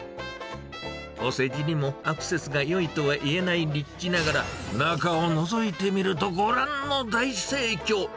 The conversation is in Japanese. お世辞にもアクセスがよいとはいえない立地ながら、中をのぞいてみると、ご覧の大盛況。